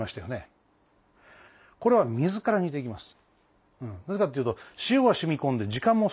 これは水から煮ていきます。